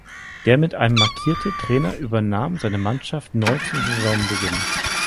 Der mit einem markierte Trainer übernahm seine Mannschaft neu zum Saisonbeginn.